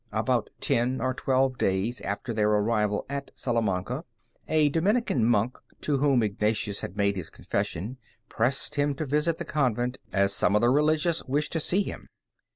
About ten or twelve days after their arrival at Salamanca, a Dominican monk, to whom Ignatius had made his confession, pressed him to visit the convent, as some of the Religious wished to see him.